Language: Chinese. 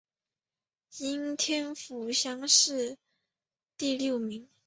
应天府乡试第六名。